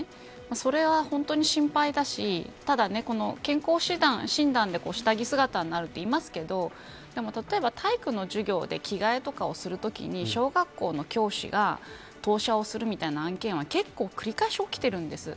それは、本当に心配だしただ、健康診断で下着姿になるといいますけど例えば体育の授業で着替えとかをするときに小学校の教師が盗撮をするみたいな案件は結構、繰り返し起きてるんです。